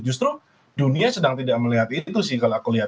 justru dunia sedang tidak melihat itu sih kalau aku lihat